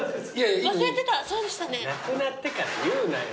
なくなってから言うなよ